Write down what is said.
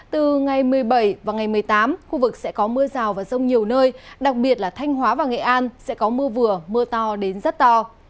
từ ngày một mươi bảy và ngày một mươi tám khu vực sẽ có mưa rào và rông nhiều nơi đặc biệt là thanh hóa và nghệ an sẽ có mưa vừa mưa to đến rất to